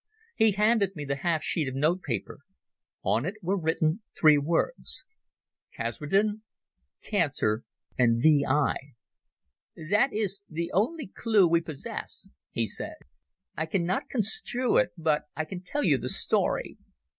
He handed me the half sheet of note paper. On it were written three words—"Kasredin", "cancer", and "v. I." "That is the only clue we possess," he said. "I cannot construe it, but I can tell you the story.